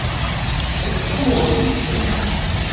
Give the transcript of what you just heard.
Tekkseḍ tamuɣli-k fell-i.